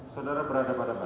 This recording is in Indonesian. saudara berhadapan dengan